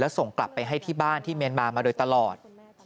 ส่งกลับไปให้ที่บ้านที่เมียนมามาโดยตลอด